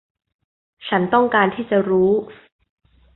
ฉันต้องการที่จะรู้